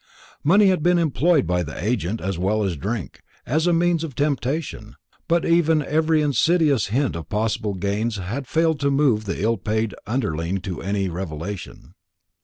Money had been employed by the agent, as well as drink, as a means of temptation; but even every insidious hint of possible gains had failed to move the ill paid underling to any revelation.